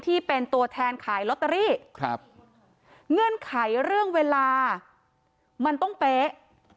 ที่เป็นตัวแทนขายลอตเตอรี่ครับเงื่อนไขเรื่องเวลามันต้องเป๊ะ